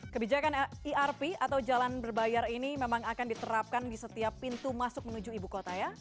kebijakan erp atau jalan berbayar ini memang akan diterapkan di setiap pintu masuk menuju ibu kota ya